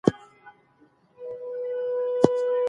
ایا بهرني سوداګر انځر اخلي؟